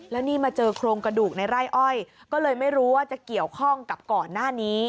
แล้วนี่มาเจอโครงกระดูกในไร่อ้อยก็เลยไม่รู้ว่าจะเกี่ยวข้องกับก่อนหน้านี้